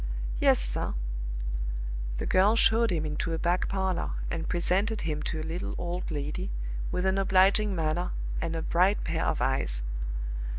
"Yes, sir." The girl showed him into a back parlor, and presented him to a little old lady, with an obliging manner and a bright pair of eyes.